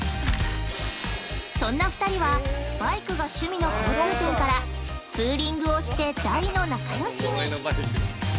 そんな２人は、バイクが趣味の共通点から、ツーリングをして大の仲よしに。